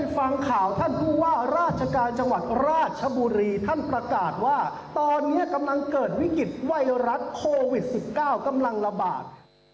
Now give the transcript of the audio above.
ฟังข่าวท่านผู้ว่าราชการจังหวัดราชบุรีท่านประกาศว่าตอนนี้กำลังเกิดวิกฤตไวรัสโควิด๑๙กำลังระบาด